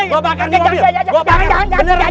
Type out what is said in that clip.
jangan jangan jangan